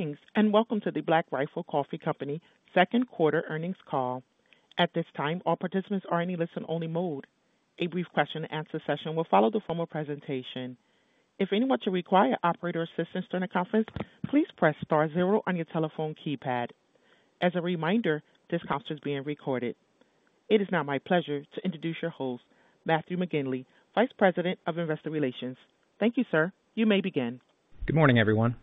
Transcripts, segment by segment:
Greetings, and welcome to the Black Rifle Coffee Company Second Quarter Earnings Call. At this time, all participants are in a listen-only mode. A brief question and answer session will follow the formal presentation. If anyone should require operator assistance during the conference, please press star zero on your telephone keypad. As a reminder, this conference is being recorded. It is now my pleasure to introduce your host, Matthew McGinley, Vice President of Investor Relations. Thank you, sir. You may begin. Good morning, everyone,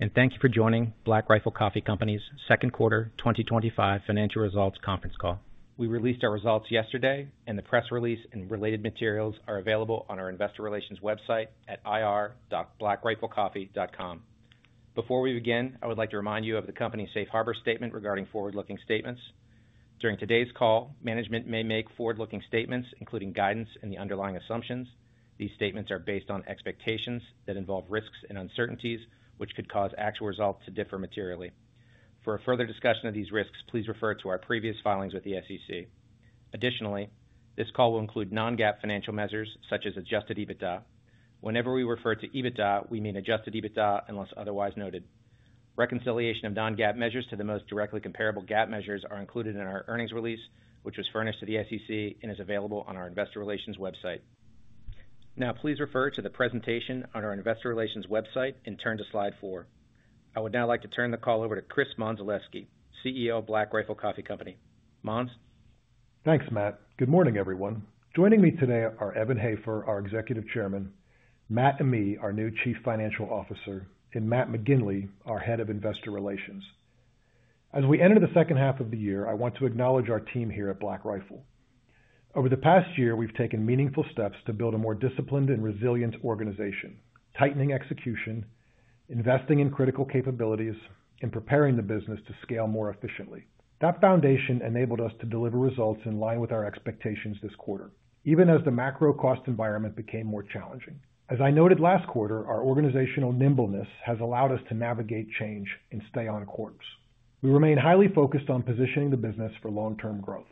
and thank you for joining Black Rifle Coffee Company's Second Quarter 2025 Financial Results Conference Call. We released our results yesterday, and the press release and related materials are available on our investor relations website at ir.blackriflecoffee.com. Before we begin, I would like to remind you of the company's safe harbor statement regarding forward-looking statements. During today's call, management may make forward-looking statements, including guidance in the underlying assumptions. These statements are based on expectations that involve risks and uncertainties, which could cause actual results to differ materially. For a further discussion of these risks, please refer to our previous filings with the SEC. Additionally, this call will include non-GAAP financial measures such as adjusted EBITDA. Whenever we refer to EBITDA, we mean adjusted EBITDA unless otherwise noted. Reconciliation of non-GAAP measures to the most directly comparable GAAP measures are included in our earnings release, which was furnished to the SEC and is available on our investor relations website. Now, please refer to the presentation on our investor relations website and turn to slide four. I would now like to turn the call over to Chris Mondzelewski, CEO of Black Rifle Coffee Company. Mons? Thanks, Matt. Good morning, everyone. Joining me today are Evan Hafer, our Executive Chairman, Matt Amigh, our new Chief Financial Officer, and Matt McGinley, our Head of Investor Relations. As we enter the second half of the year, I want to acknowledge our team here at Black Rifle. Over the past year, we've taken meaningful steps to build a more disciplined and resilient organization, tightening execution, investing in critical capabilities, and preparing the business to scale more efficiently. That foundation enabled us to deliver results in line with our expectations this quarter, even as the macro cost environment became more challenging. As I noted last quarter, our organizational nimbleness has allowed us to navigate change and stay on course. We remain highly focused on positioning the business for long-term growth.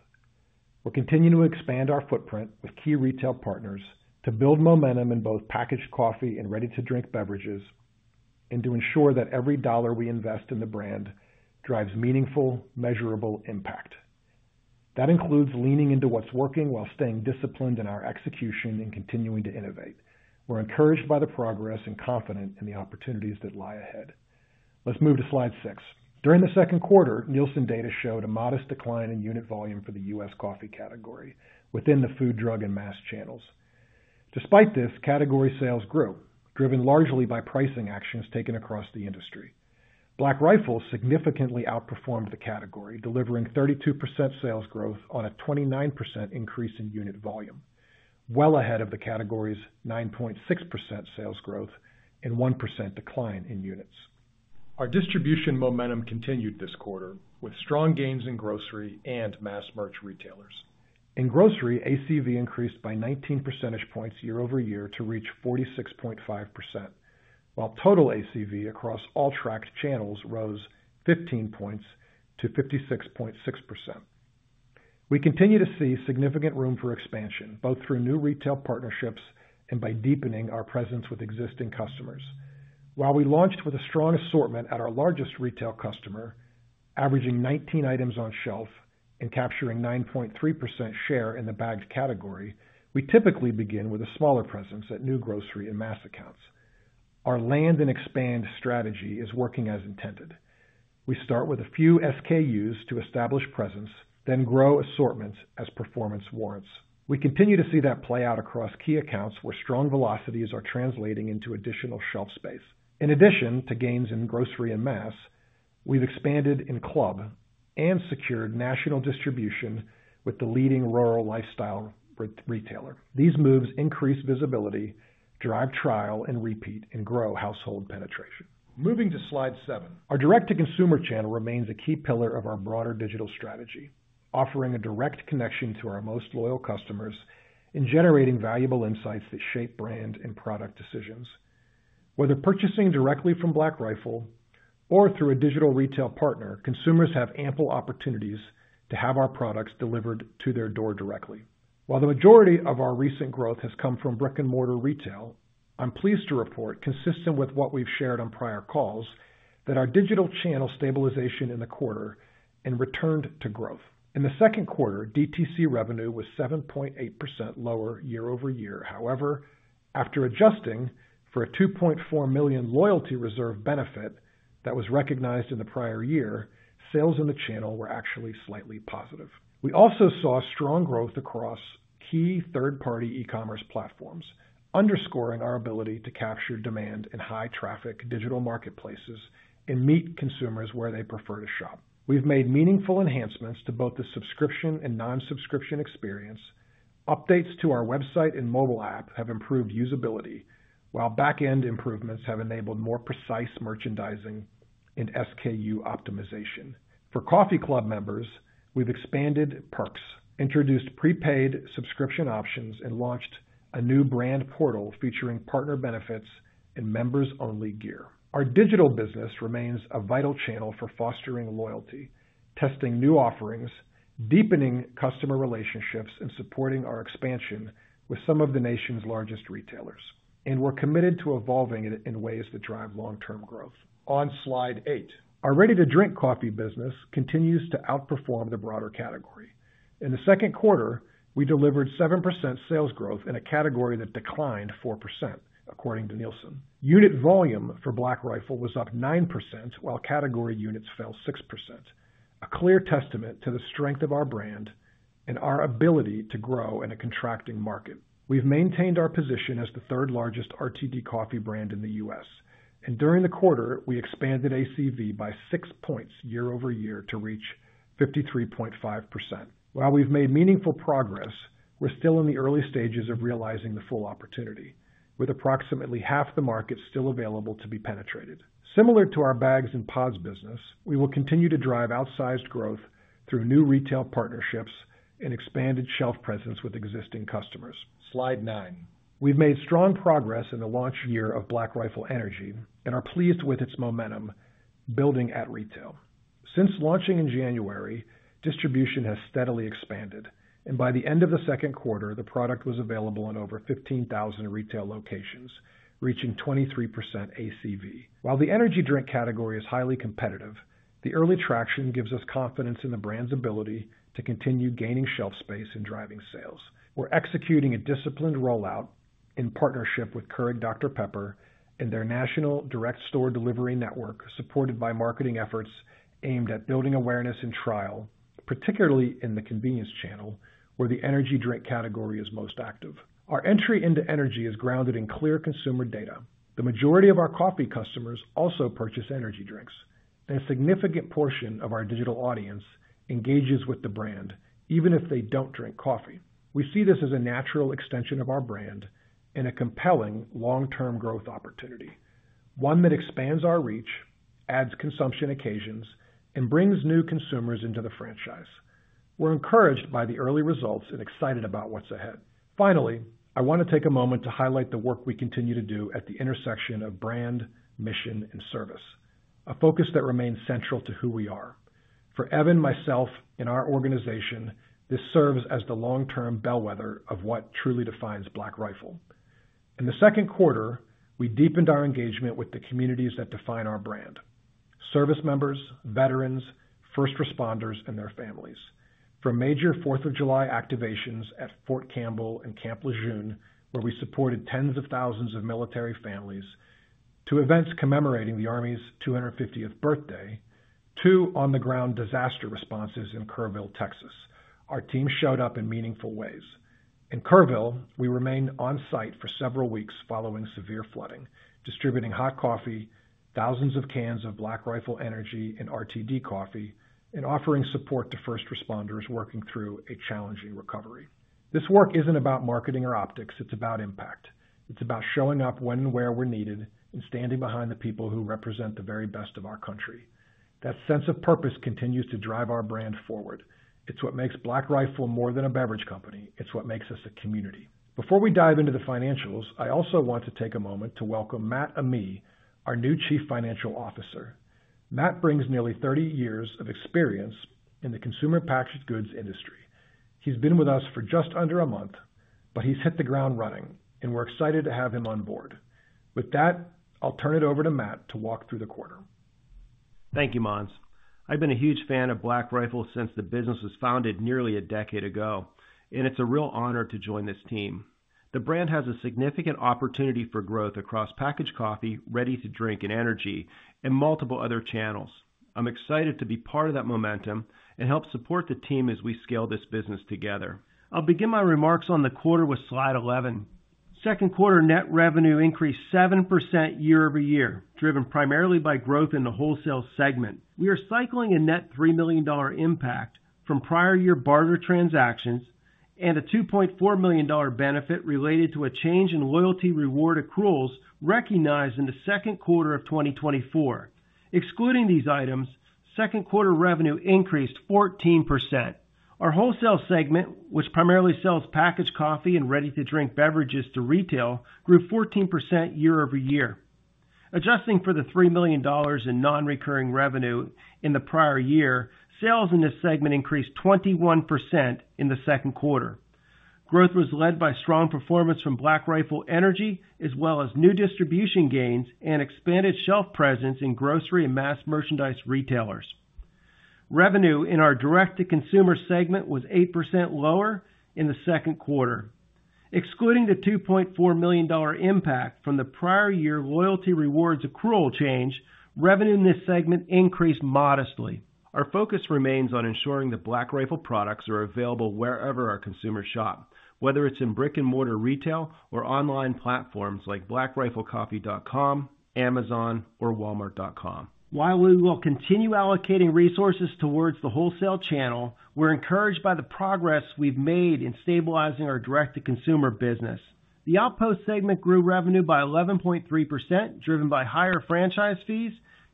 We'll continue to expand our footprint with key retail partners to build momentum in both packaged coffee and ready-to-drink beverages, and to ensure that every dollar we invest in the brand drives meaningful, measurable impact. That includes leaning into what's working while staying disciplined in our execution and continuing to innovate. We're encouraged by the progress and confident in the opportunities that lie ahead. Let's move to slide six. During the second quarter, Nielsen data showed a modest decline in unit volume for the U.S. coffee category within the food, drug, and mass channels. Despite this, category sales grew, driven largely by pricing actions taken across the industry. Black Rifle significantly outperformed the category, delivering 32% sales growth on a 29% increase in unit volume, well ahead of the category's 9.6% sales growth and 1% decline in units. Our distribution momentum continued this quarter with strong gains in grocery and mass merch retailers. In grocery, ACV increased by 19 percentage points year-over-year to reach 46.5%, while total ACV across all tracked channels rose 15 points to 56.6%. We continue to see significant room for expansion, both through new retail partnerships and by deepening our presence with existing customers. While we launched with a strong assortment at our largest retail customer, averaging 19 items on shelf and capturing 9.3% share in the bagged category, we typically begin with a smaller presence at new grocery and mass accounts. Our land and expand strategy is working as intended. We start with a few SKUs to establish presence, then grow assortments as performance warrants. We continue to see that play out across key accounts where strong velocities are translating into additional shelf space. In addition to gains in grocery and mass, we've expanded in club and secured national distribution with the leading rural lifestyle retailer. These moves increase visibility, drive trial and repeat, and grow household penetration. Moving to slide seven, our direct-to-consumer channel remains a key pillar of our broader digital strategy, offering a direct connection to our most loyal customers and generating valuable insights that shape brand and product decisions. Whether purchasing directly from Black Rifle or through a digital retail partner, consumers have ample opportunities to have our products delivered to their door directly. While the majority of our recent growth has come from brick-and-mortar retail, I'm pleased to report, consistent with what we've shared on prior calls, that our digital channel stabilized in the quarter and returned to growth. In the second quarter, DTC revenue was 7.8% lower year-over-year. However, after adjusting for a $2.4 million loyalty reserve benefit that was recognized in the prior year, sales in the channel were actually slightly positive. We also saw strong growth across key third-party e-commerce platforms, underscoring our ability to capture demand in high-traffic digital marketplaces and meet consumers where they prefer to shop. We've made meaningful enhancements to both the subscription and non-subscription experience. Updates to our website and mobile app have improved usability, while backend improvements have enabled more precise merchandising and SKU optimization. For Coffee Club members, we've expanded perks, introduced prepaid subscription options, and launched a new brand portal featuring partner benefits and members-only gear. Our digital business remains a vital channel for fostering loyalty, testing new offerings, deepening customer relationships, and supporting our expansion with some of the nation's largest retailers. We're committed to evolving it in ways that drive long-term growth. On slide eight, our ready-to-drink coffee business continues to outperform the broader category. In the second quarter, we delivered 7% sales growth in a category that declined 4%, according to Nielsen. Unit volume for Black Rifle was up 9%, while category units fell 6%, a clear testament to the strength of our brand and our ability to grow in a contracting market. We've maintained our position as the third-largest RTD coffee brand in the U.S., and during the quarter, we expanded ACV by 6 points year-over-year to reach 53.5%. While we've made meaningful progress, we're still in the early stages of realizing the full opportunity, with approximately half the market still available to be penetrated. Similar to our bags and pods business, we will continue to drive outsized growth through new retail partnerships and expanded shelf presence with existing customers. Slide nine. We've made strong progress in the launch year of Black Rifle Energy and are pleased with its momentum building at retail. Since launching in January, distribution has steadily expanded, and by the end of the second quarter, the product was available in over 15,000 retail locations, reaching 23% ACV. While the energy drink category is highly competitive, the early traction gives us confidence in the brand's ability to continue gaining shelf space and driving sales. We're executing a disciplined rollout in partnership with Keurig Dr Pepper and their national direct store delivery network, supported by marketing efforts aimed at building awareness and trial, particularly in the convenience channel, where the energy drink category is most active. Our entry into energy is grounded in clear consumer data. The majority of our coffee customers also purchase energy drinks, and a significant portion of our digital audience engages with the brand, even if they don't drink coffee. We see this as a natural extension of our brand and a compelling long-term growth opportunity, one that expands our reach, adds consumption occasions, and brings new consumers into the franchise. We're encouraged by the early results and excited about what's ahead. Finally, I want to take a moment to highlight the work we continue to do at the intersection of brand, mission, and service, a focus that remains central to who we are. For Evan, myself, and our organization, this serves as the long-term bellwether of what truly defines Black Rifle. In the second quarter, we deepened our engagement with the communities that define our brand: service members, veterans, first responders, and their families. From major Fourth of July activations at Fort Campbell and Camp Lejeune, where we supported tens of thousands of military families, to events commemorating the Army's 250th birthday, to on-the-ground disaster responses in Kerrville, Texas, our team showed up in meaningful ways. In Kerrville, we remained on site for several weeks following severe flooding, distributing hot coffee, thousands of cans of Black Rifle Energy and RTD coffee, and offering support to first responders working through a challenging recovery. This work isn't about marketing or optics, it's about impact. It's about showing up when and where we're needed and standing behind the people who represent the very best of our country. That sense of purpose continues to drive our brand forward. It's what makes Black Rifle more than a beverage company, it's what makes us a community. Before we dive into the financials, I also want to take a moment to welcome Matt Amigh, our new Chief Financial Officer. Matt brings nearly 30 years of experience in the consumer packaged goods industry. He's been with us for just under a month, but he's hit the ground running, and we're excited to have him on board. With that, I'll turn it over to Matt to walk through the quarter. Thank you, Mons. I've been a huge fan of Black Rifle since the business was founded nearly a decade ago, and it's a real honor to join this team. The brand has a significant opportunity for growth across packaged coffee, ready-to-drink, and energy, and multiple other channels. I'm excited to be part of that momentum and help support the team as we scale this business together. I'll begin my remarks on the quarter with slide 11. Second quarter net revenue increased 7% year-over-year, driven primarily by growth in the wholesale segment. We are cycling a net $3 million impact from prior year barter transactions and a $2.4 million benefit related to a change in loyalty reward accruals recognized in the second quarter of 2024. Excluding these items, second quarter revenue increased 14%. Our wholesale segment, which primarily sells packaged coffee and ready-to-drink beverages to retail, grew 14% year-over-year. Adjusting for the $3 million in non-recurring revenue in the prior year, sales in this segment increased 21% in the second quarter. Growth was led by strong performance from Black Rifle Energy, as well as new distribution gains and expanded shelf presence in grocery and mass merchandise retailers. Revenue in our direct-to-consumer segment was 8% lower in the second quarter. Excluding the $2.4 million impact from the prior year loyalty rewards accrual change, revenue in this segment increased modestly. Our focus remains on ensuring that Black Rifle products are available wherever our consumers shop, whether it's in brick-and-mortar retail or online platforms like blackriflecoffee.com, Amazon, or walmart.com. While we will continue allocating resources towards the wholesale channel, we're encouraged by the progress we've made in stabilizing our direct-to-consumer business. The outpost segment grew revenue by 11.3%, driven by higher franchise fees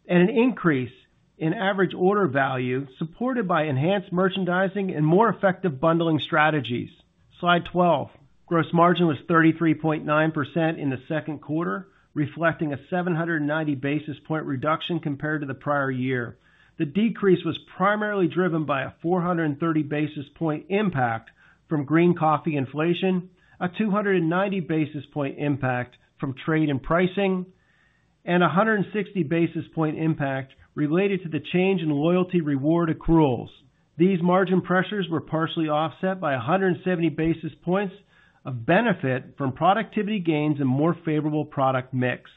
and an increase in average order value, supported by enhanced merchandising and more effective bundling strategies. Slide 12. Gross margin was 33.9% in the second quarter, reflecting a 790 basis point reduction compared to the prior year. The decrease was primarily driven by a 430 basis point impact from green coffee inflation, a 290 basis point impact from trade and pricing, and a 160 basis point impact related to the change in loyalty reward accruals. These margin pressures were partially offset by 170 basis points, a benefit from productivity gains and more favorable product mix.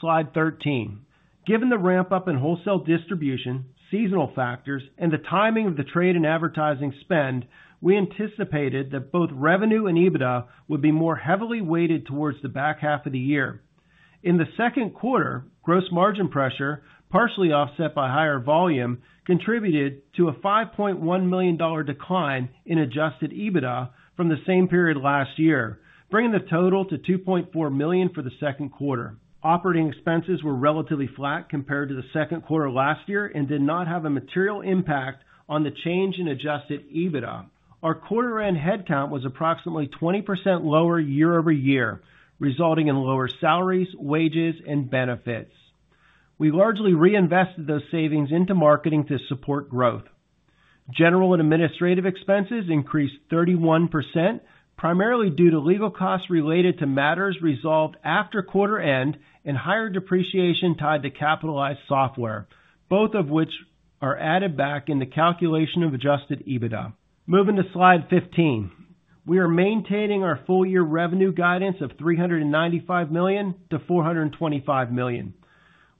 Slide 13. Given the ramp-up in wholesale distribution, seasonal factors, and the timing of the trade and advertising spend, we anticipated that both revenue and EBITDA would be more heavily weighted towards the back half of the year. In the second quarter, gross margin pressure, partially offset by higher volume, contributed to a $5.1 million decline in adjusted EBITDA from the same period last year, bringing the total to $2.4 million for the second quarter. Operating expenses were relatively flat compared to the second quarter last year and did not have a material impact on the change in adjusted EBITDA. Our quarter-end headcount was approximately 20% lower year-over-year, resulting in lower salaries, wages, and benefits. We largely reinvested those savings into marketing to support growth. General and administrative expenses increased 31%, primarily due to legal costs related to matters resolved after quarter end and higher depreciation tied to capitalized software, both of which are added back in the calculation of adjusted EBITDA. Moving to slide 15, we are maintaining our full-year revenue guidance of $395 million-$425 million.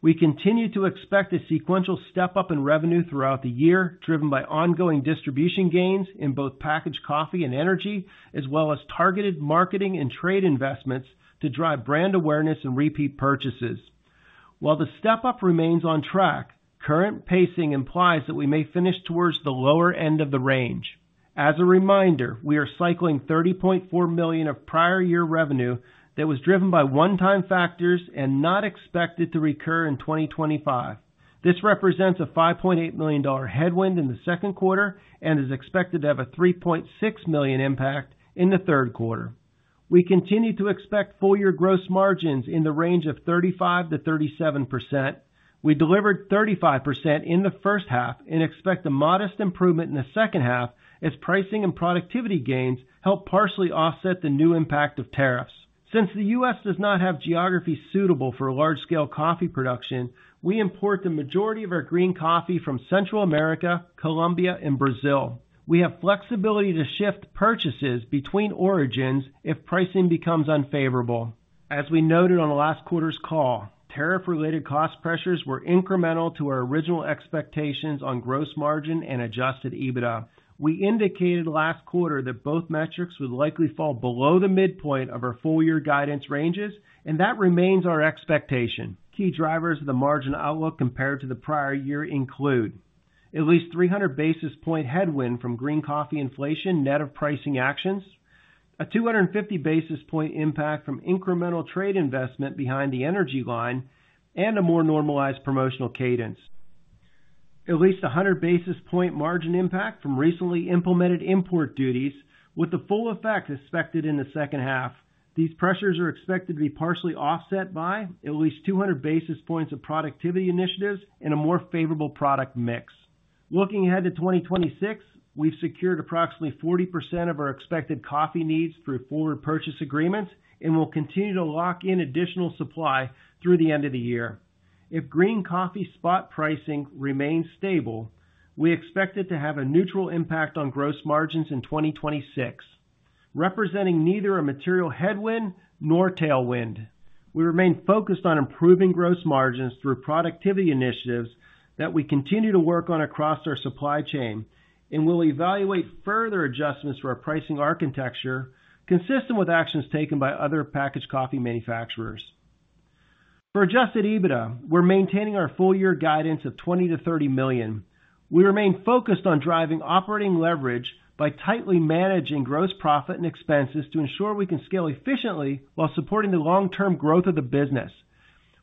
We continue to expect a sequential step-up in revenue throughout the year, driven by ongoing distribution gains in both packaged coffee and energy, as well as targeted marketing and trade investments to drive brand awareness and repeat purchases. While the step-up remains on track, current pacing implies that we may finish towards the lower end of the range. As a reminder, we are cycling $30.4 million of prior year revenue that was driven by one-time factors and not expected to recur in 2025. This represents a $5.8 million headwind in the second quarter and is expected to have a $3.6 million impact in the third quarter. We continue to expect full-year gross margins in the range of 35%-37%. We delivered 35% in the first half and expect a modest improvement in the second half as pricing and productivity gains help partially offset the new impact of tariffs. Since the U.S. does not have geography suitable for large-scale coffee production, we import the majority of our green coffee from Central America, Colombia, and Brazil. We have flexibility to shift purchases between origins if pricing becomes unfavorable. As we noted on the last quarter's call, tariff-related cost pressures were incremental to our original expectations on gross margin and adjusted EBITDA. We indicated last quarter that both metrics would likely fall below the midpoint of our full-year guidance ranges, and that remains our expectation. Key drivers of the margin outlook compared to the prior year include: at least 300 basis point headwind from green coffee inflation net of pricing actions, a 250 basis point impact from incremental trade investment behind the energy line, and a more normalized promotional cadence. At least 100 basis point margin impact from recently implemented import duties, with the full effect expected in the second half. These pressures are expected to be partially offset by at least 200 basis points of productivity initiatives and a more favorable product mix. Looking ahead to 2026, we've secured approximately 40% of our expected coffee needs through forward purchase agreements and will continue to lock in additional supply through the end of the year. If green coffee spot pricing remains stable, we expect it to have a neutral impact on gross margins in 2026, representing neither a material headwind nor tailwind. We remain focused on improving gross margins through productivity initiatives that we continue to work on across our supply chain, and we'll evaluate further adjustments for our pricing architecture, consistent with actions taken by other packaged coffee manufacturers. For adjusted EBITDA, we're maintaining our full-year guidance of $20 million-$30 million. We remain focused on driving operating leverage by tightly managing gross profit and expenses to ensure we can scale efficiently while supporting the long-term growth of the business.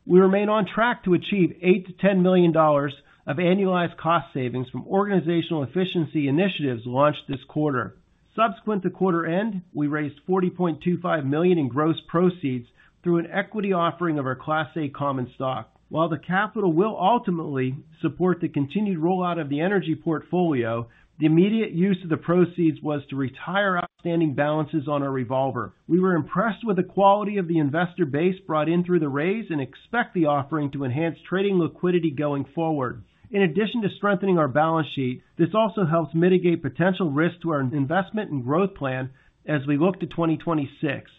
We remain on track to achieve $8 million-$10 million of annualized cost savings from organizational efficiency initiatives launched this quarter. Subsequent to quarter end, we raised $40.25 million in gross proceeds through an equity offering of our Class A common stock. While the capital will ultimately support the continued rollout of the energy portfolio, the immediate use of the proceeds was to retire outstanding balances on our revolver. We were impressed with the quality of the investor base brought in through the raise and expect the offering to enhance trading liquidity going forward. In addition to strengthening our balance sheet, this also helps mitigate potential risk to our investment and growth plan as we look to 2026,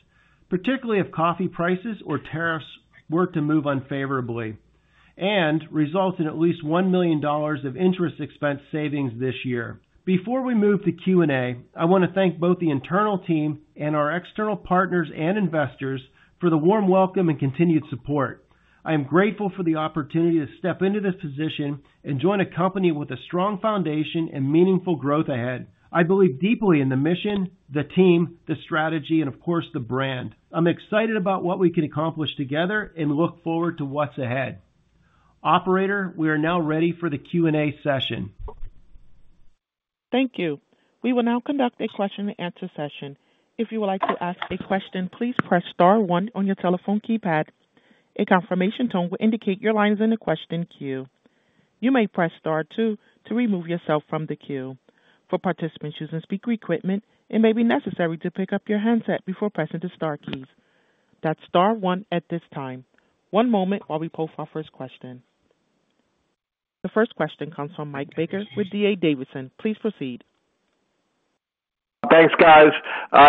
particularly if coffee prices or tariffs were to move unfavorably and result in at least $1 million of interest expense savings this year. Before we move to Q&A, I want to thank both the internal team and our external partners and investors for the warm welcome and continued support. I am grateful for the opportunity to step into this position and join a company with a strong foundation and meaningful growth ahead. I believe deeply in the mission, the team, the strategy, and of course, the brand. I'm excited about what we can accomplish together and look forward to what's ahead. Operator, we are now ready for the Q&A session. Thank you. We will now conduct a question-and-answer session. If you would like to ask a question, please press star one on your telephone keypad. A confirmation tone will indicate your line is in the question queue. You may press star two to remove yourself from the queue. For participants using speaker equipment, it may be necessary to pick up your headset before pressing the star keys. That's star one at this time. One moment while we profile the first question. The first question comes from Mike Baker with D.A. Davidson. Please proceed. Thanks, guys.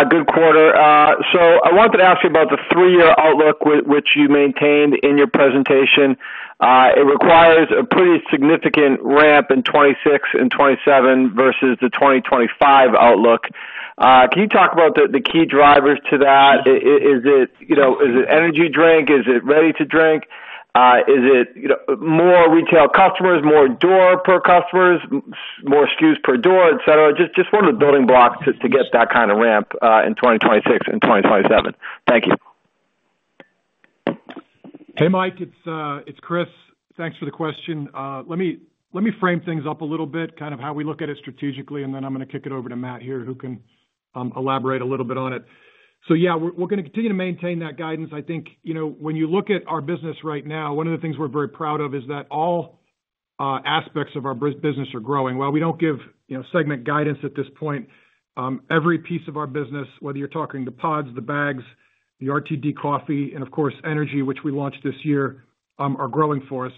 Good quarter. I wanted to ask you about the three-year outlook which you maintained in your presentation. It requires a pretty significant ramp in 2026 and 2027 versus the 2025 outlook. Can you talk about the key drivers to that? Is it energy drink? Is it ready-to-drink? Is it more retail customers, more doors per customer, more SKUs per door, et cetera? Just one of the building blocks to get that kind of ramp in 2026 and 2027. Thank you. Hey, Mike. It's Chris. Thanks for the question. Let me frame things up a little bit, kind of how we look at it strategically, and then I'm going to kick it over to Matt here, who can elaborate a little bit on it. We're going to continue to maintain that guidance. I think, you know, when you look at our business right now, one of the things we're very proud of is that all aspects of our business are growing. While we don't give, you know, segment guidance at this point, every piece of our business, whether you're talking the pods, the bags, the RTD coffee, and of course, energy, which we launched this year, are growing for us,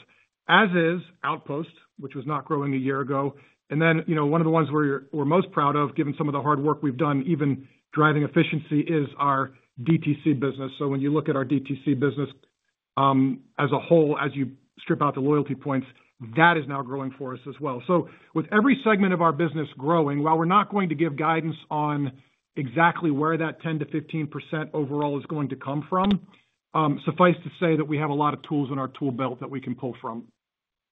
as is outposts, which was not growing a year ago. One of the ones we're most proud of, given some of the hard work we've done, even driving efficiency, is our DTC business. When you look at our DTC business as a whole, as you strip out the loyalty points, that is now growing for us as well. With every segment of our business growing, while we're not going to give guidance on exactly where that 10%-15% overall is going to come from, suffice to say that we have a lot of tools in our tool belt that we can pull from.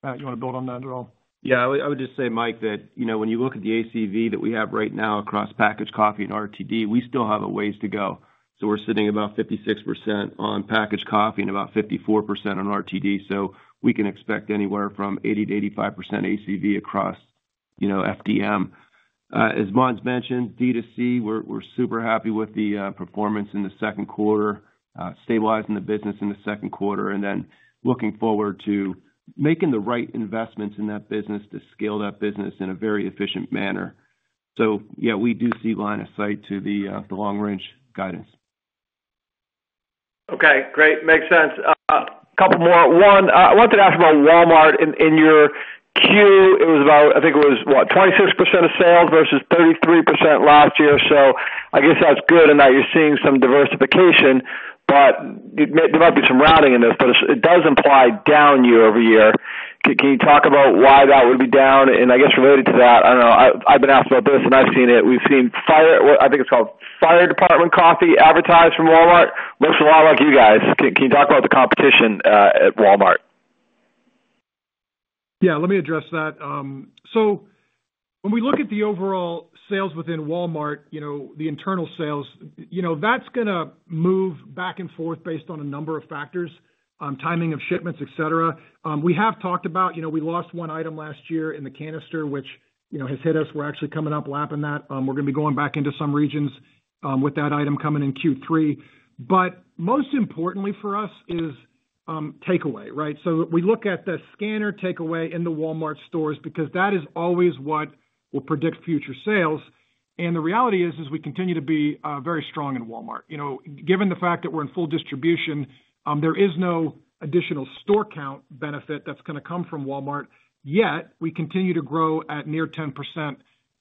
Matt, you want to build on that at all? Yeah, I would just say, Mike, that when you look at the ACV that we have right now across packaged coffee and RTD, we still have a ways to go. We're sitting at about 56% on packaged coffee and about 54% on RTD. We can expect anywhere from 80%-85% ACV across FDM. As Mons mentioned, DTC, we're super happy with the performance in the second quarter, stabilizing the business in the second quarter, and then looking forward to making the right investments in that business to scale that business in a very efficient manner. We do see line of sight to the long-range guidance. OK, great. Makes sense. A couple more. One, I wanted to ask about Walmart. In your queue, it was about, I think it was, what, 26% of sales versus 33% last year. I guess that's good in that you're seeing some diversification, but there might be some routing in there, but it does imply down year-over-year. Can you talk about why that would be down? I guess related to that, I don't know. I've been asked about this, and I've seen it. We've seen Fire Department Coffee advertised from Walmart. What's the line like you guys? Can you talk about the competition at Walmart? Yeah, let me address that. When we look at the overall sales within Walmart, the internal sales are going to move back and forth based on a number of factors, timing of shipments, et cetera. We have talked about losing one item last year in the canister, which has hit us. We're actually coming up lapping that. We're going to be going back into some regions with that item coming in Q3. Most importantly for us is takeaway, right? We look at the scanner takeaway in the Walmart stores because that is always what will predict future sales. The reality is we continue to be very strong in Walmart. Given the fact that we're in full distribution, there is no additional store count benefit that's going to come from Walmart. Yet, we continue to grow at near 10%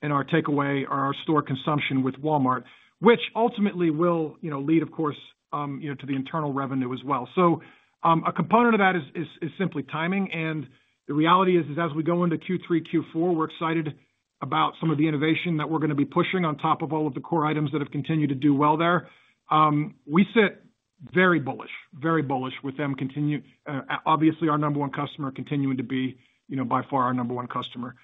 in our takeaway or our store consumption with Walmart, which ultimately will lead, of course, to the internal revenue as well. A component of that is simply timing. The reality is as we go into Q3 and Q4, we're excited about some of the innovation that we're going to be pushing on top of all of the core items that have continued to do well there. We sit very bullish, very bullish with them continuing, obviously, our number one customer continuing to be by far our number one customer.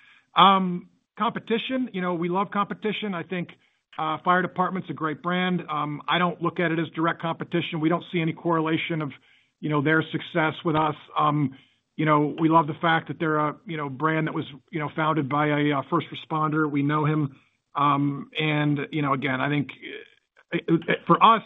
Competition, we love competition. I think Fire Department's a great brand. I don't look at it as direct competition. We don't see any correlation of their success with us. We love the fact that they're a brand that was founded by a first responder. We know him. Again, I think for us,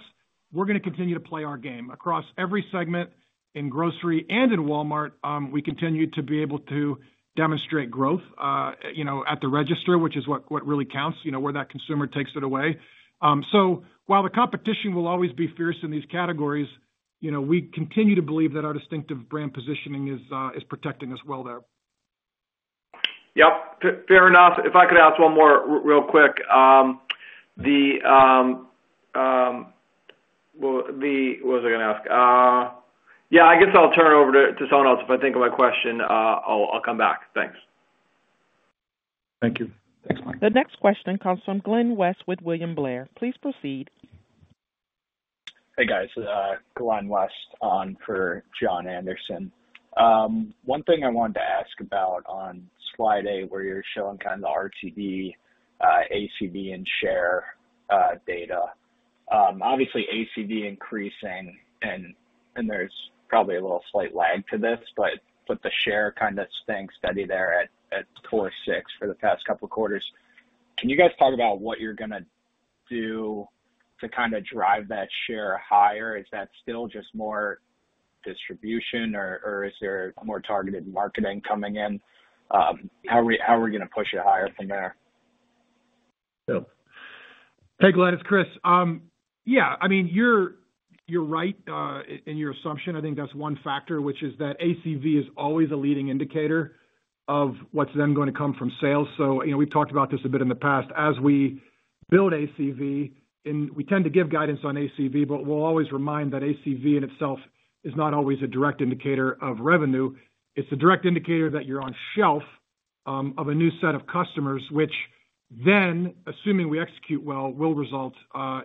we're going to continue to play our game across every segment in grocery and in Walmart. We continue to be able to demonstrate growth at the register, which is what really counts, where that consumer takes it away. While the competition will always be fierce in these categories, we continue to believe that our distinctive brand positioning is protecting us well there. Fair enough. If I could ask one more real quick, what was I going to ask? I guess I'll turn it over to someone else. If I think of my question, I'll come back. Thanks. Thank you. The next question comes from Glenn West with William Blair. Please proceed. Hey, guys. Glenn West on for Jon Andersen. One thing I wanted to ask about on slide eight where you're showing kind of the RTD, ACV, and share data. Obviously, ACV increasing, and there's probably a little slight lag to this, but the share kind of staying steady there at toward 6% for the past couple of quarters. Can you guys talk about what you're going to do to kind of drive that share higher? Is that still just more distribution, or is there a more targeted marketing coming in? How are we going to push it higher from there? Hey, Glenn, it's Chris. Yeah, I mean, you're right in your assumption. I think that's one factor, which is that ACV is always a leading indicator of what's then going to come from sales. We've talked about this a bit in the past. As we build ACV, we tend to give guidance on ACV, but we'll always remind that ACV in itself is not always a direct indicator of revenue. It's a direct indicator that you're on shelf of a new set of customers, which then, assuming we execute well, will result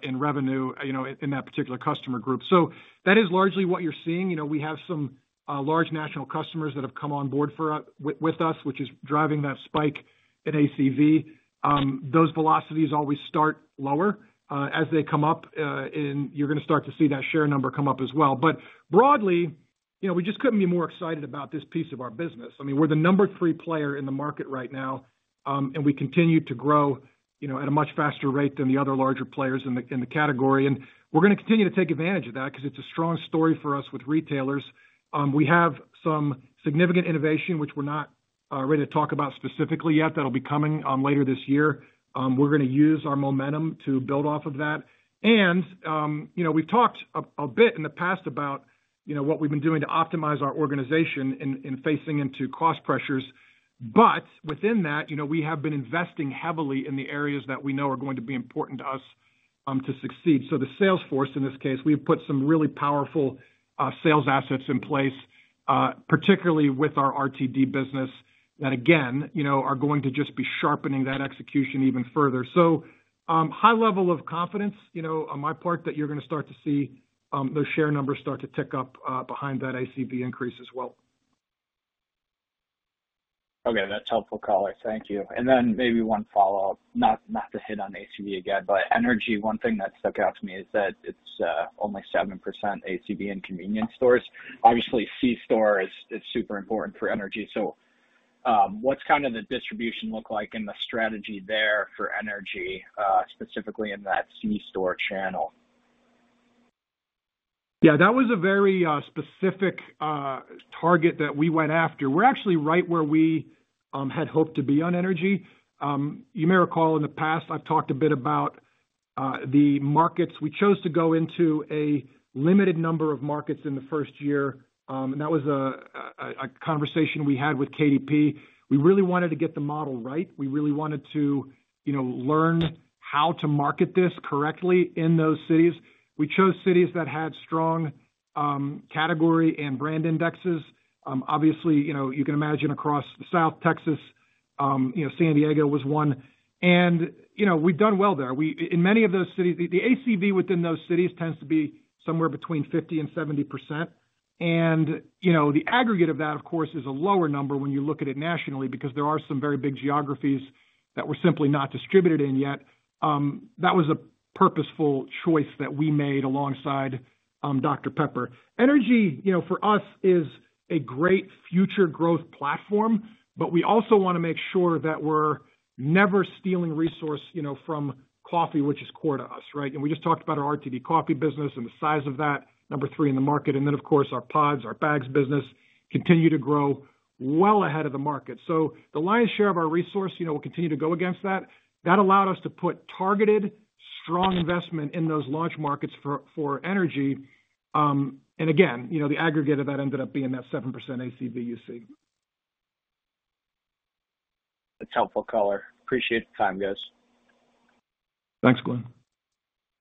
in revenue in that particular customer group. That is largely what you're seeing. We have some large national customers that have come on board with us, which is driving that spike in ACV. Those velocities always start lower. As they come up, you're going to start to see that share number come up as well. Broadly, we just couldn't be more excited about this piece of our business. We're the number three player in the market right now, and we continue to grow at a much faster rate than the other larger players in the category. We're going to continue to take advantage of that because it's a strong story for us with retailers. We have some significant innovation, which we're not ready to talk about specifically yet. That'll be coming later this year. We're going to use our momentum to build off of that. We've talked a bit in the past about what we've been doing to optimize our organization in facing into cost pressures. Within that, we have been investing heavily in the areas that we know are going to be important to us to succeed. The sales force, in this case, we have put some really powerful sales assets in place, particularly with our RTD business that, again, are going to just be sharpening that execution even further. High level of confidence on my part that you're going to start to see those share numbers start to tick up behind that ACV increase as well. OK, that's helpful, color. Thank you. Maybe one follow-up, not to hit on ACV again, but energy, one thing that stuck out to me is that it's only 7% ACV in convenience stores. Obviously, C-store is super important for energy. What's kind of the distribution look like in the strategy there for Energy, specifically in that C-store channel? Yeah, that was a very specific target that we went after. We're actually right where we had hoped to be on energy. You may recall in the past, I've talked a bit about the markets. We chose to go into a limited number of markets in the first year. That was a conversation we had with Keurig Dr Pepper. We really wanted to get the model right. We really wanted to, you know, learn how to market this correctly in those cities. We chose cities that had strong category and brand indexes. Obviously, you know, you can imagine across South Texas, you know, San Diego was one. We've done well there. In many of those cities, the ACV within those cities tends to be somewhere between 50% and 70%. The aggregate of that, of course, is a lower number when you look at it nationally because there are some very big geographies that we're simply not distributed in yet. That was a purposeful choice that we made alongside Keurig Dr Pepper. Energy, you know, for us is a great future growth platform, but we also want to make sure that we're never stealing resources, you know, from coffee, which is core to us, right? We just talked about our RTD coffee business and the size of that, number three in the market. Of course, our pods, our bags business continue to grow well ahead of the market. The lion's share of our resource, you know, will continue to go against that. That allowed us to put targeted, strong investment in those launch markets for energy. Again, the aggregate of that ended up being that 7% ACV. That's helpful, Matt. Appreciate the time, guys. Thanks, Glen.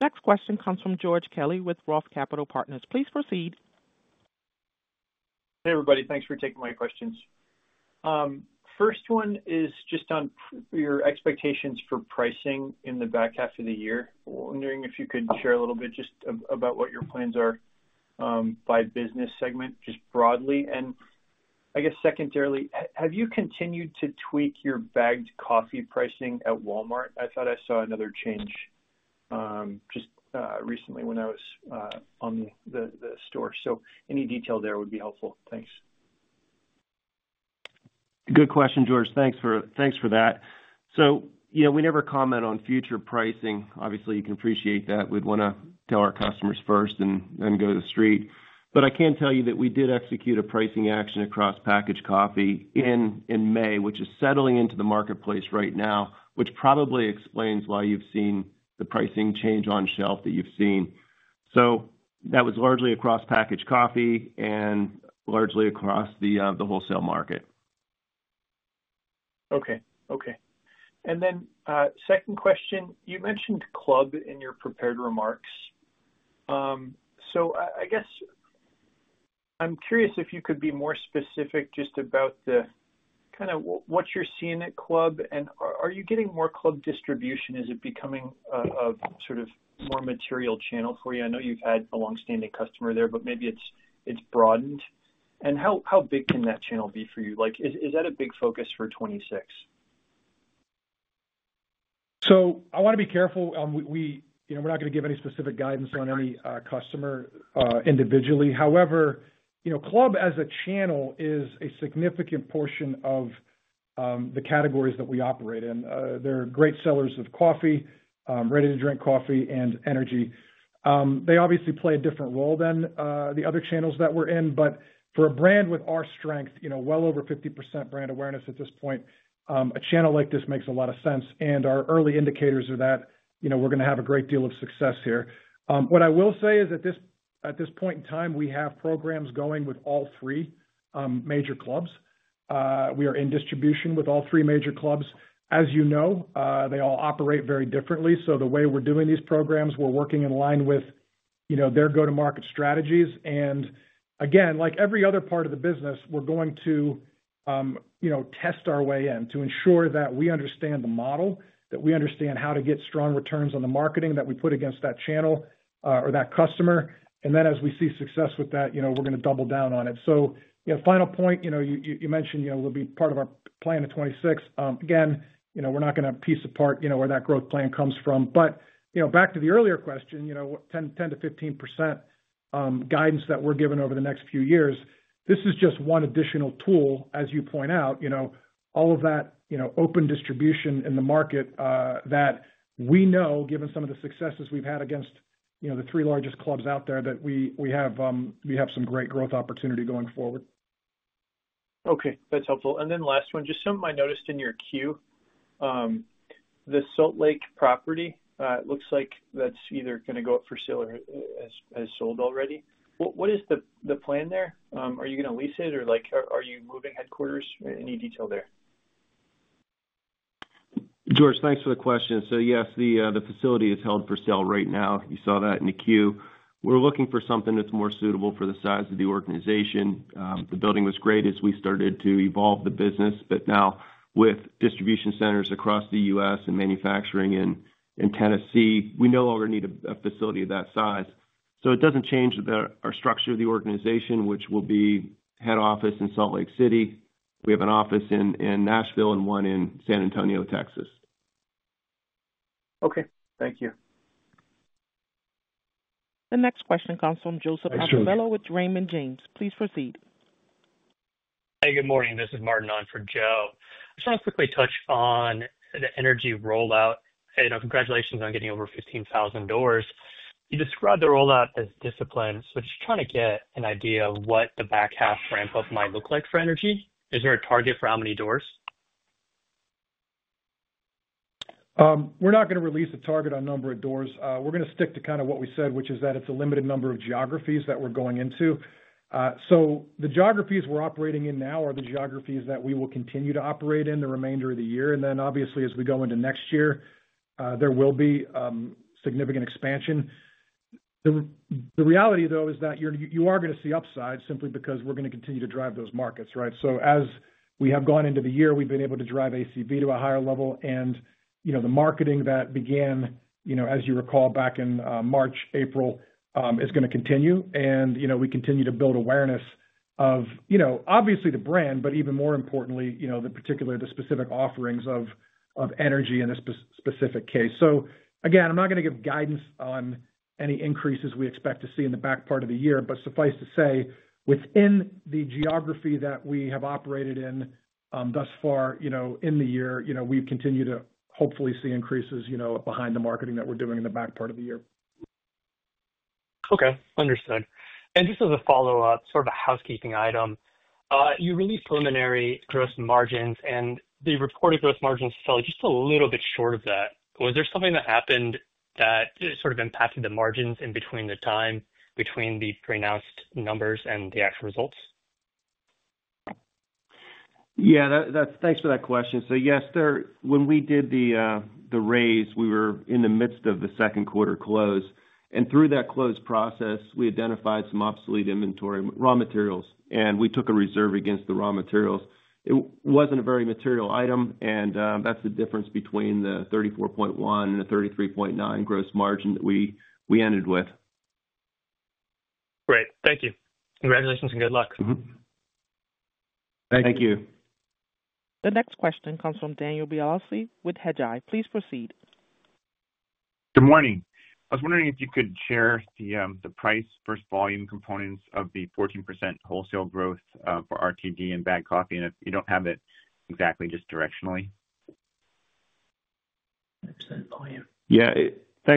Next question comes from George Kelly with ROTH Capital Partners. Please proceed. Hey, everybody. Thanks for taking my questions. First one is just on your expectations for pricing in the back half of the year. Wondering if you could share a little bit just about what your plans are by business segment, just broadly. I guess secondarily, have you continued to tweak your bagged coffee pricing at Walmart? I thought I saw another change just recently when I was on the store. Any detail there would be helpful. Thanks. Good question, George. Thanks for that. We never comment on future pricing. Obviously, you can appreciate that. We'd want to tell our customers first and then go to the street. I can tell you that we did execute a pricing action across packaged coffee in May, which is settling into the marketplace right now, which probably explains why you've seen the pricing change on shelf that you've seen. That was largely across packaged coffee and largely across the wholesale market. OK. OK. Second question, you mentioned Club in your prepared remarks. I'm curious if you could be more specific just about what you're seeing at Club. Are you getting more Club distribution? Is it becoming a sort of more material channel for you? I know you've had a longstanding customer there, but maybe it's broadened. How big can that channel be for you? Is that a big focus for 2026? I want to be careful. We're not going to give any specific guidance on any customer individually. However, Club as a channel is a significant portion of the categories that we operate in. They're great sellers of coffee, ready-to-drink coffee, and energy. They obviously play a different role than the other channels that we're in. For a brand with our strength, well over 50% brand awareness at this point, a channel like this makes a lot of sense. Our early indicators are that we're going to have a great deal of success here. What I will say is at this point in time, we have programs going with all three major clubs. We are in distribution with all three major clubs. As you know, they all operate very differently. The way we're doing these programs, we're working in line with their go-to-market strategies. Like every other part of the business, we're going to test our way in to ensure that we understand the model, that we understand how to get strong returns on the marketing that we put against that channel or that customer. As we see success with that, we're going to double down on it. Final point, you mentioned it'll be part of our plan in 2026. Again, we're not going to piece apart where that growth plan comes from. Back to the earlier question, 10%-15% guidance that we're giving over the next few years, this is just one additional tool, as you point out, all of that open distribution in the market that we know, given some of the successes we've had against the three largest clubs out there that we have, we have some great growth opportunity going forward. OK, that's helpful. Last one, just something I noticed in your queue, the Salt Lake property. It looks like that's either going to go up for sale or has sold already. What is the plan there? Are you going to lease it, or are you moving headquarters? Any detail there? George, thanks for the question. Yes, the facility is held for sale right now. You saw that in the queue. We're looking for something that's more suitable for the size of the organization. The building was great as we started to evolve the business, but now, with distribution centers across the U.S. and manufacturing in Tennessee, we no longer need a facility of that size. It doesn't change our structure of the organization, which will be head office in Salt Lake City. We have an office in Nashville and one in San Antonio, Texas. OK, thank you. The next question comes from Joseph Altobello with Raymond James. Please proceed. Hey, good morning. This is Martin on for Joe. I just want to quickly touch on the energy rollout. Congratulations on getting over 15,000 doors. You described the rollout as disciplined. Just trying to get an idea of what the back half ramp up might look like for energy. Is there a target for how many doors? We're not going to release a target on the number of doors. We're going to stick to kind of what we said, which is that it's a limited number of geographies that we're going into. The geographies we're operating in now are the geographies that we will continue to operate in the remainder of the year. Obviously, as we go into next year, there will be significant expansion. The reality, though, is that you are going to see upside simply because we're going to continue to drive those markets, right? As we have gone into the year, we've been able to drive ACV to a higher level. The marketing that began, as you recall, back in March, April, is going to continue. We continue to build awareness of, obviously, the brand, but even more importantly, particularly the specific offerings of energy in this specific case. Again, I'm not going to give guidance on any increases we expect to see in the back part of the year, but suffice to say, within the geography that we have operated in thus far in the year, we continue to hopefully see increases behind the marketing that we're doing in the back part of the year. OK, understood. Just as a follow-up, sort of a housekeeping item, you released preliminary gross margins, and the reported gross margins fell just a little bit short of that. Was there something that happened that sort of impacted the margins in between the time between the pronounced numbers and the actual results? Yeah, thanks for that question. Yes, when we did the raise, we were in the midst of the second quarter close. Through that close process, we identified some obsolete inventory raw materials, and we took a reserve against the raw materials. It wasn't a very material item, and that's the difference between the $34.1 million and the $33.9 million gross margin that we ended with. Great. Thank you. Congratulations and good luck. Thank you. The next question comes from Daniel Biolsi with Hedgeye. Please proceed. Good morning. I was wondering if you could share the price versus volume components of the 14% wholesale growth for RTD and bagged coffee, and if you don't have it exactly, just directionally. Thank you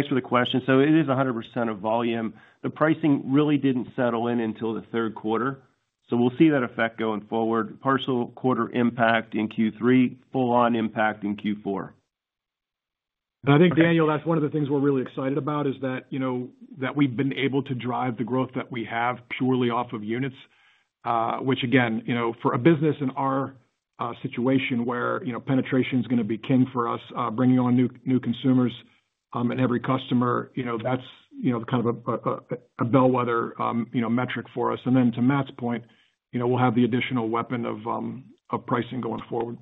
for the question. It is 100% of volume. The pricing really didn't settle in until the third quarter. We'll see that effect going forward, with a partial quarter impact in Q3 and a full-on impact in Q4. I think, Daniel, that's one of the things we're really excited about, that we've been able to drive the growth that we have purely off of units, which, again, for a business in our situation where penetration is going to be king for us, bringing on new consumers and every customer, that's kind of a bellwether metric for us. To Matt's point, we'll have the additional weapon of pricing going forward.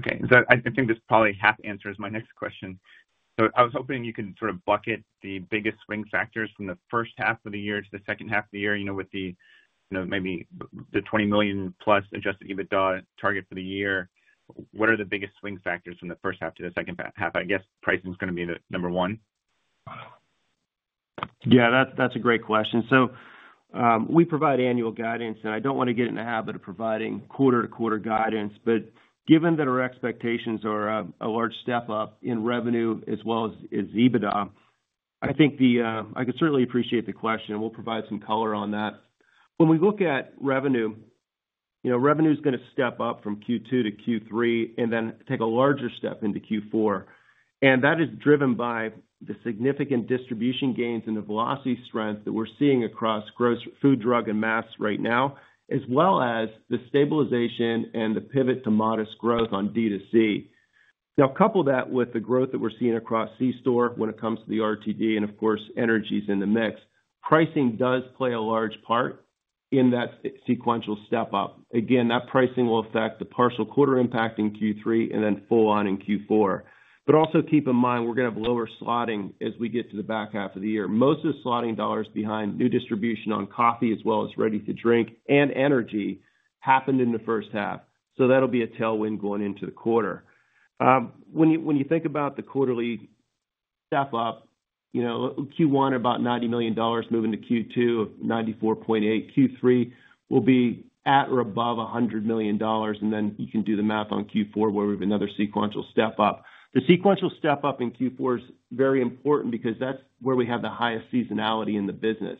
OK, I think this probably half answers my next question. I was hoping you could sort of bucket the biggest swing factors from the first half of the year to the second half of the year, with maybe the $20 million plus adjusted EBITDA target for the year. What are the biggest swing factors from the first half to the second half? I guess pricing is going to be the number one. Yeah, that's a great question. We provide annual guidance, and I don't want to get in the habit of providing quarter-to-quarter guidance. Given that our expectations are a large step up in revenue as well as EBITDA, I think I could certainly appreciate the question, and we'll provide some color on that. When we look at revenue, revenue is going to step up from Q2 to Q3 and then take a larger step into Q4. That is driven by the significant distribution gains and the velocity strength that we're seeing across gross food, drug, and mass right now, as well as the stabilization and the pivot to modest growth on DTC. Couple that with the growth that we're seeing across C-store when it comes to the RTD, and of course, energy is in the mix. Pricing does play a large part in that sequential step up. That pricing will affect the partial quarter impact in Q3 and then full-on in Q4. Also keep in mind we're going to have lower slotting as we get to the back half of the year. Most of the slotting dollars behind new distribution on coffee, as well as ready-to-drink and energy, happened in the first half. That'll be a tailwind going into the quarter. When you think about the quarterly step up, Q1 at about $90 million moving to Q2, $94.8 million. Q3 will be at or above $100 million. You can do the math on Q4 where we have another sequential step up. The sequential step up in Q4 is very important because that's where we have the highest seasonality in the business.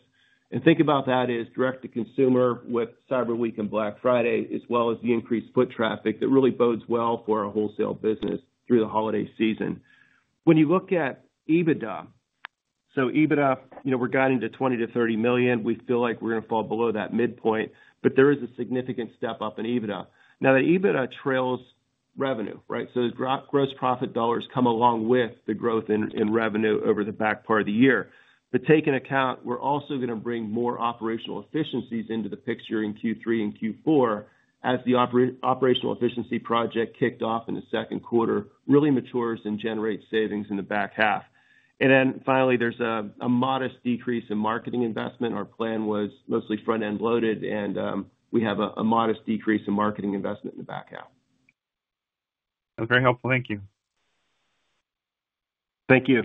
Think about that as direct-to-consumer with Cyber Week and Black Friday, as well as the increased foot traffic that really bodes well for our wholesale business through the holiday season. When you look at EBITDA, we're guiding to $20 million-$30 million. We feel like we're going to fall below that midpoint, but there is a significant step up in EBITDA. The EBITDA trails revenue, right? Those gross profit dollars come along with the growth in revenue over the back part of the year. Take into account we're also going to bring more operational efficiencies into the picture in Q3 and Q4 as the operational efficiency project kicked off in the second quarter really matures and generates savings in the back half. Finally, there's a modest decrease in marketing investment. Our plan was mostly front-end loaded, and we have a modest decrease in marketing investment in the back half. That was very helpful. Thank you. Thank you.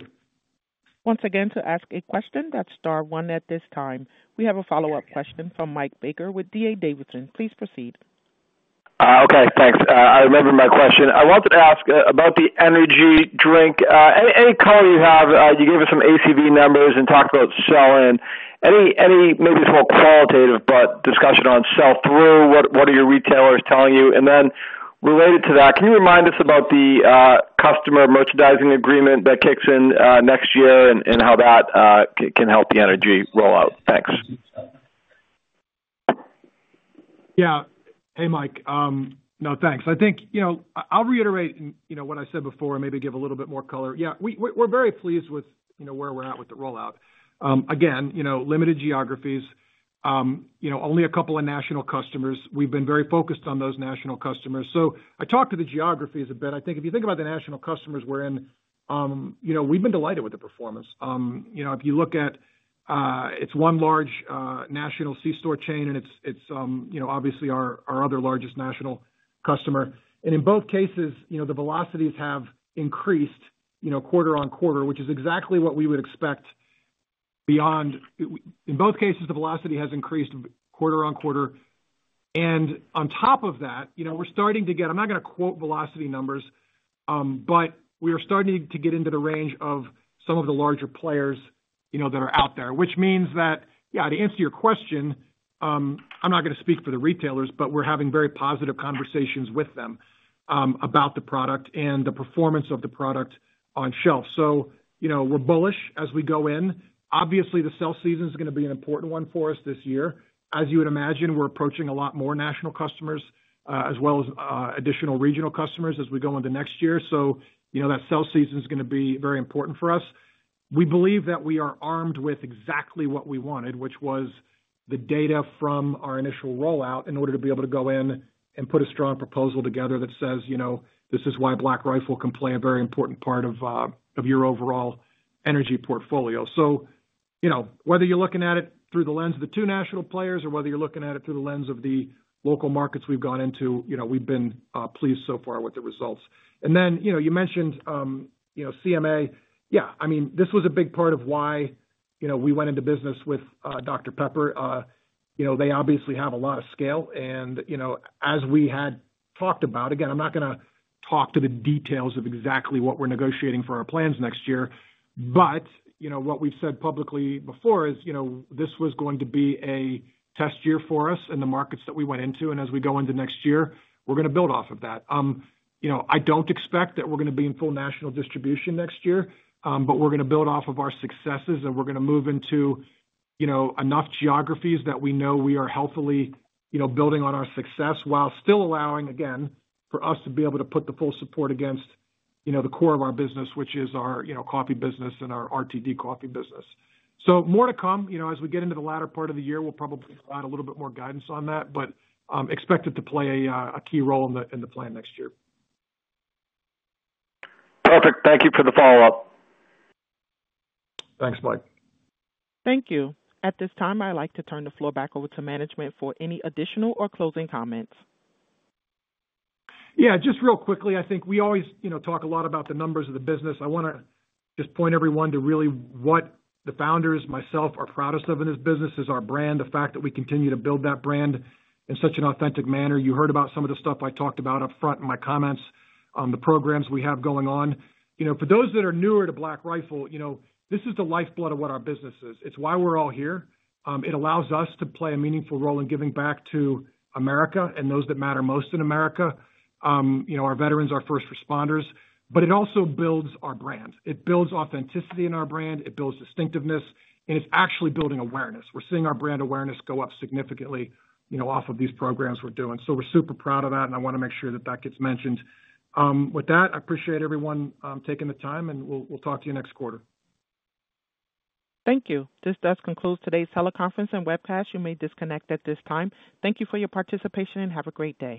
Once again, to ask a question, that's star one at this time. We have a follow-up question from Mike Baker with D.A. Davidson. Please proceed. OK, thanks. I remembered my question. I wanted to ask about the energy drink. Any color you have, you gave us some ACV numbers and talked about selling. Any maybe small qualitative, but discussion on sell-through. What are your retailers telling you? Related to that, can you remind us about the customer merchandising agreement that kicks in next year and how that can help the energy rollout? Thanks. Yeah. Hey, Mike. No, thanks. I think, you know, I'll reiterate what I said before and maybe give a little bit more color. We're very pleased with, you know, where we're at with the rollout. Again, limited geographies, only a couple of national customers. We've been very focused on those national customers. I talked to the geographies a bit. I think if you think about the national customers we're in, we've been delighted with the performance. If you look at it, it's one large national C-store chain, and it's obviously our other largest national customer. In both cases, the velocities have increased quarter on quarter, which is exactly what we would expect beyond. In both cases, the velocity has increased quarter on quarter. On top of that, we're starting to get, I'm not going to quote velocity numbers, but we are starting to get into the range of some of the larger players that are out there, which means that, yeah, to answer your question, I'm not going to speak for the retailers, but we're having very positive conversations with them about the product and the performance of the product on shelf. We're bullish as we go in. Obviously, the sell season is going to be an important one for us this year. As you would imagine, we're approaching a lot more national customers, as well as additional regional customers as we go into next year. That sell season is going to be very important for us. We believe that we are armed with exactly what we wanted, which was the data from our initial rollout in order to be able to go in and put a strong proposal together that says, this is why Black Rifle can play a very important part of your overall energy portfolio. Whether you're looking at it through the lens of the two national players or whether you're looking at it through the lens of the local markets we've gone into, we've been pleased so far with the results. You mentioned CMA. This was a big part of why we went into business with Keurig Dr Pepper. They obviously have a lot of scale. As we had talked about, again, I'm not going to talk to the details of exactly what we're negotiating for our plans next year. What we've said publicly before is this was going to be a test year for us in the markets that we went into. As we go into next year, we're going to build off of that. I don't expect that we're going to be in full national distribution next year, but we're going to build off of our successes. We're going to move into enough geographies that we know we are healthily building on our success while still allowing, again, for us to be able to put the full support against the core of our business, which is our coffee business and our RTD coffee business. More to come as we get into the latter part of the year. We'll probably provide a little bit more guidance on that, but expect it to play a key role in the plan next year. Perfect. Thank you for the follow-up. Thanks, Mike. Thank you. At this time, I'd like to turn the floor back over to management for any additional or closing comments. Yeah, just real quickly, I think we always talk a lot about the numbers of the business. I want to just point everyone to really what the founders, myself, are proudest of in this business is our brand, the fact that we continue to build that brand in such an authentic manner. You heard about some of the stuff I talked about up front in my comments on the programs we have going on. For those that are newer to Black Rifle Coffee, this is the lifeblood of what our business is. It's why we're all here. It allows us to play a meaningful role in giving back to America and those that matter most in America, our veterans, our first responders. It also builds our brand. It builds authenticity in our brand. It builds distinctiveness, and it's actually building awareness. We're seeing our brand awareness go up significantly off of these programs we're doing. We're super proud of that, and I want to make sure that that gets mentioned. With that, I appreciate everyone taking the time, and we'll talk to you next quarter. Thank you. This does conclude today's teleconference and webcast. You may disconnect at this time. Thank you for your participation and have a great day.